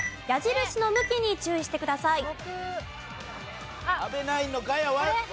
矢印の向きに注意してください。